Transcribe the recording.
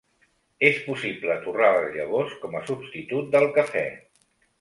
És possible torrar les llavors com a substitut del cafè.